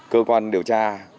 cơ quan điều tra